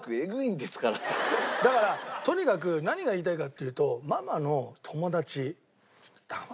だからとにかく何が言いたいかっていうとそんな話なの？